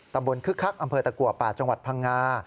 คึกคักอำเภอตะกัวป่าจังหวัดพังงา